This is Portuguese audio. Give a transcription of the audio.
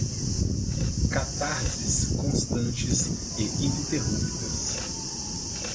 Catarses constantes e ininterruptas